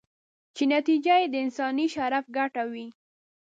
چې نتیجه یې د انساني شرف ګټه وي.